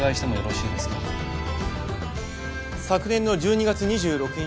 昨年の１２月２６日